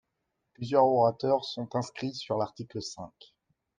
Plusieurs orateurs sont inscrits sur l’article cinq.